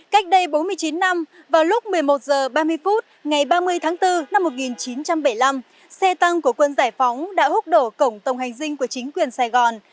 cách đây bốn mươi chín năm vào lúc một mươi một h ba mươi phút ngày ba mươi tháng bốn năm một nghìn chín trăm bảy mươi năm xe tăng của quân giải phóng đã hút đổ cổng tổng hành dinh của chính quyền sài gòn